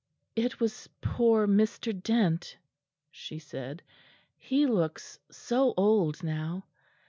"It was poor Mr. Dent," she said; "he looks so old now.